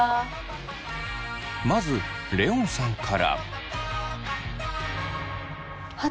まずレオンさんから。